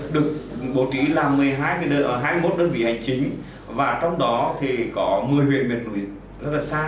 được bổ trí là hai mươi một đơn vị hành chính và trong đó có một mươi huyện miền nội rất xa